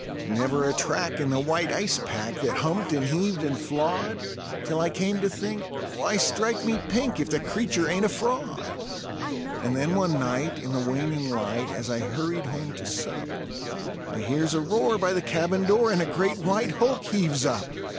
Never a track in the white ice pack that humped and heaved and flawed, Till I came to think: "Why, strike me pink! if the creature ain't a fraud." And then one night in the waning light, as I hurried home to sup, I hears a roar by the cabin door, and a great white hulk heaves up.